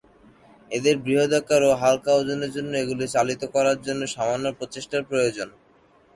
এদের বৃহদাকার ও হালকা ওজনের জন্য এগুলি চালিত করার জন্য সামান্য প্রচেষ্টার প্রয়োজন।